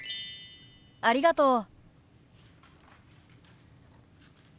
ありがとう。